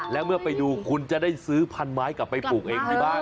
และเมื่อไปดูคุณจะได้ซื้อพันไม้กลับไปปลูกเองที่บ้าน